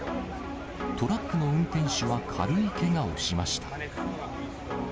トラックの運転手は軽いけがをしました。